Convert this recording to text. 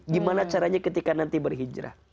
gimana caranya ketika nanti berhijrah